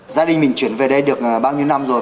gia đình mình chuyển về đây được bao nhiêu năm rồi